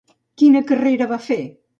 Quina carrera va fer?